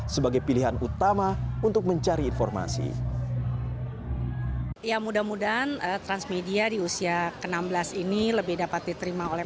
sebagai simbol menyambut ulang tahun baru